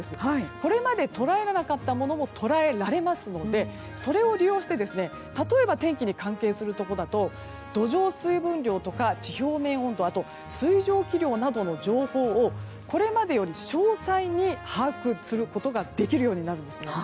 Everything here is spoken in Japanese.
これまで捉えられなかったものも捉えられますのでそれを利用して例えば天気に関係することだと土壌水分量、地表面温度水蒸気量などの情報をこれまでより詳細に把握することができるようになります。